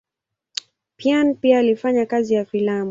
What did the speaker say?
Payn pia alifanya kazi ya filamu.